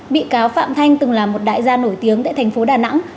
bị cáo phạm thanh từng là một đại gia nổi tiếng tại tp đà nẵng